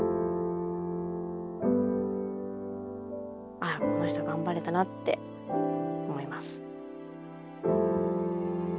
ああこの人がんばれたなって思います。